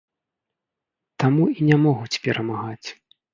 Таму і не могуць перамагаць.